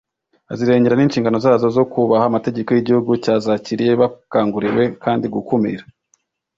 azirengera n inshingano zazo zo kubaha amategeko y igihugu cyazakiriye bakanguriwe kandi gukumira